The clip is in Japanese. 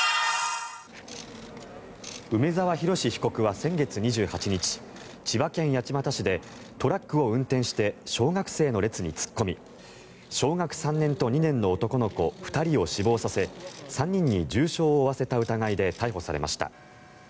梅沢洋被告は先月２８日千葉県八街市でトラックを運転して小学生の列に突っ込み小学３年と２年の男の子２人を死亡させ３人に重傷を負わせた疑いで逮捕されました。